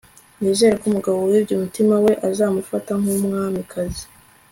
nizere ko umugabo wibye umutima we, azamufata nkumwamikazi